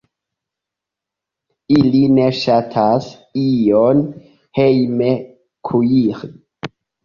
Ili ne ŝatas ion hejme kuiri.